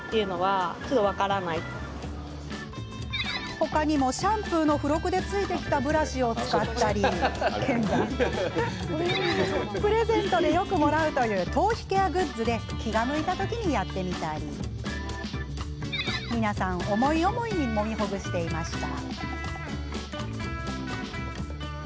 他にもシャンプーの付録でついてきたブラシを使ったりプレゼントでよくもらうという頭皮ケアグッズで気が向いた時にやってみたり皆さん、思い思いにもみほぐしていました。